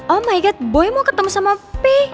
oh my god boy mau ketemu sama p